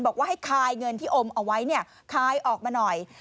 บอกว่าให้คายเงินที่อมเอาไว้คายออกมาหน่อย